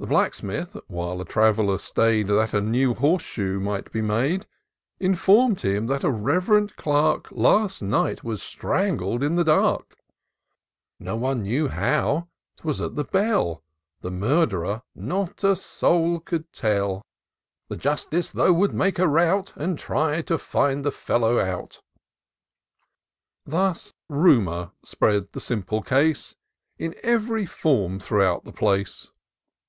The Blacksmith, while a trav'ller stay'd That a new horse shoe might be made, Inform'd him that a rev'rend Clerk Last night was strangled in the dark, No one knew how — ^'twas at the Belly The murd'rer not a soul could tell: — The Justice though would make a rout> And try to find the feUow out.— Thus Rumour spread the simple case, In ev'ry form throughout the place.